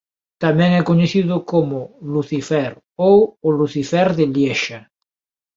Tamén é coñecida como "Lucifer" ou o "Lucifer de Liexa".